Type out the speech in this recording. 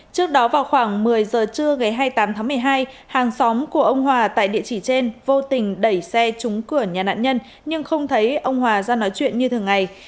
trước đó vào khoảng một mươi giờ trưa ngày hai mươi tám tháng một mươi hai hàng xóm của ông hòa tại địa chỉ trên vô tình đẩy xe trúng cửa nhà nạn nhân nhưng không thấy ông hòa ra nói chuyện như thường ngày